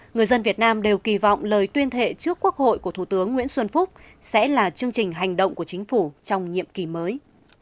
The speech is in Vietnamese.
người dân việt nam đều kỳ vọng lời tuyên thệ trước quốc hội của thủ tướng nguyễn xuân phúc sẽ là chương trình hành động của chính phủ trong nhiệm kỳ mới